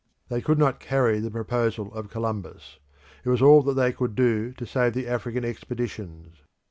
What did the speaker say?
They could not carry the proposal of Columbus; it was all that they could do to save the African expeditions.